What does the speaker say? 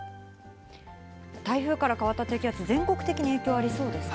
台風から変わった低気圧、全国的に影響ありそうですか？